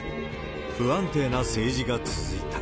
不安定な政治が続いた。